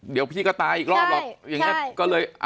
เดี๋ยวพี่ก็ตายอีกรอบหรอกอย่างนี้ก็เลย